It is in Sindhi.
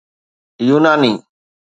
يوناني